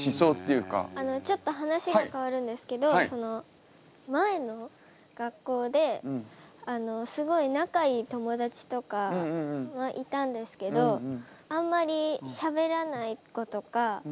あのちょっと話が変わるんですけど前の学校ですごい仲いい友達とかはいたんですけどあんまりしゃべらない子とか。